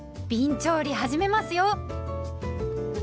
びん調理始めますよ。